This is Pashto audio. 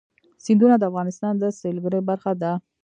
سیندونه د افغانستان د سیلګرۍ برخه ده.